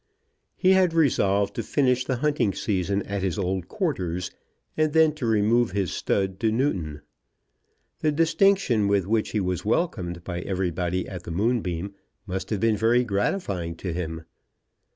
He had resolved to finish the hunting season at his old quarters, and then to remove his stud to Newton. The distinction with which he was welcomed by everybody at the Moonbeam must have been very gratifying to him.